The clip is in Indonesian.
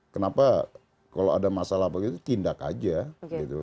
kenapa kalau ada masalah begitu tindak aja gitu